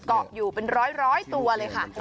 เกาะอยู่เป็นร้อยตัวเลยค่ะ